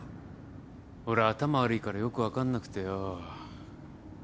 俺頭悪いからよく分かんなくてよ。